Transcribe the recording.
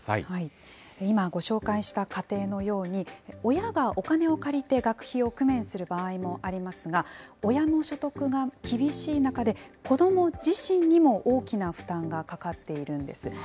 今、ご紹介した家庭のように、親がお金を借りて、学費を工面する場合もありますが、親の所得が厳しい中で、子ども自身にも大きな負担がかかっているんです。